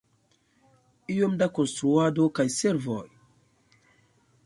Iom da konstruado kaj servoj.